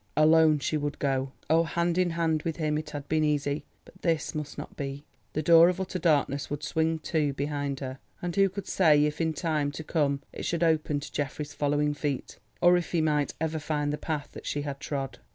Alone she would go—oh, hand in hand with him it had been easy, but this must not be. The door of utter darkness would swing to behind her, and who could say if in time to come it should open to Geoffrey's following feet, or if he might ever find the path that she had trod.